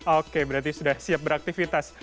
oke berarti sudah siap beraktivitas